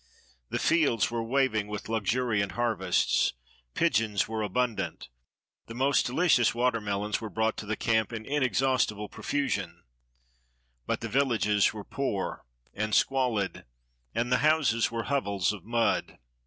The fields were waving with luxuriant harvests. Pigeons were abun dant. The most deUcious watermelons were brought to the camp in inexhaustible profusion ; but the \illages were poor and squalid, and the houses were hovels of mud.